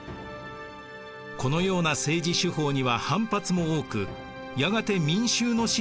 このような政治手法には反発も多くやがて民衆の支持も失います。